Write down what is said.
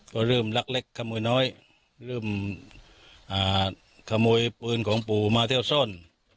ก็เริ่มลักเล็กขโมยน้อยเริ่มขโมยปืนของปู่มาเที่ยวซ่อน